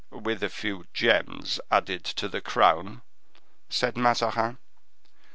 "With a few gems added to the crown," said Mazarin.